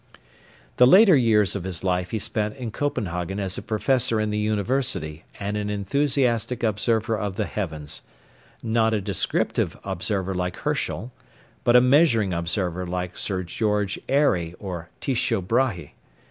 The later years of his life he spent in Copenhagen as a professor in the University and an enthusiastic observer of the heavens, not a descriptive observer like Herschel, but a measuring observer like Sir George Airy or Tycho Brahé.